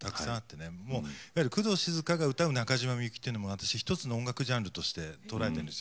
もう工藤静香が歌う中島みゆきというのも私１つの音楽ジャンルとして捉えてるんですよ。